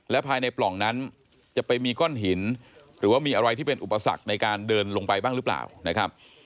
ภายในปล่องนั้นจะไปมีก้อนหินหรือว่ามีอะไรที่เป็นอุปสรรคในการเดินลงไปบ้างหรือเปล่านะครับ